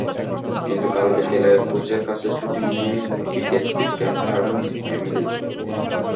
কিন্তু কাল বিকেলে কোচের কাছে ছুটি নিয়ে বিকেএসপির ক্যাম্প ছাড়েন এমিলি।